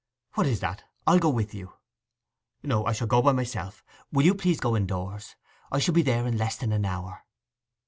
'What is that? I'll go with you.' 'No, I shall go by myself. Will you please go indoors? I shall be there in less than an hour.